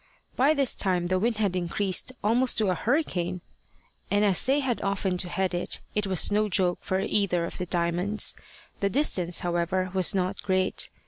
By this time the wind had increased almost to a hurricane, and as they had often to head it, it was no joke for either of the Diamonds. The distance, however, was not great.